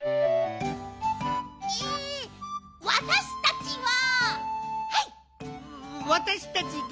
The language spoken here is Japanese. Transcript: えわたしたちは。